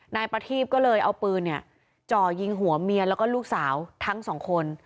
นายประทีบก็เลยเอาปืนจ่อยิงหัวเมียแล้วก็ลูกสาวทั้งสองคน